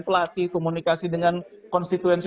pelatih komunikasi dengan konstituensi